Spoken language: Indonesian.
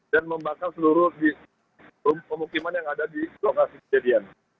dan membakar seluruh pemukiman yang ada di lokasi kejadian